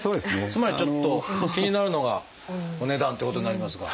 つまりちょっと気になるのがお値段ってことになりますが。